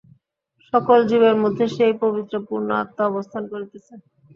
সকল জীবের মধ্যে সেই পবিত্র পূর্ণ আত্মা অবস্থান করিতেছে।